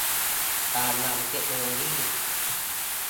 การนำเทคโนโลยี